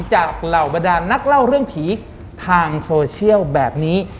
เหล่าบรรดานนักเล่าเรื่องผีทางโซเชียลแบบนี้